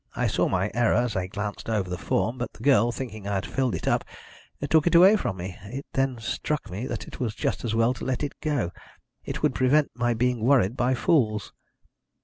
I saw my error as I glanced over the form, but the girl, thinking I had filled it up, took it away from me. It then struck me that it was just as well to let it go; it would prevent my being worried by fools."